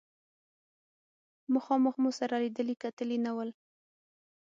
مخامخ مو سره لیدلي کتلي نه ول.